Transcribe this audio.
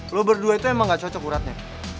lo berdua itu emang gak cocok uratnya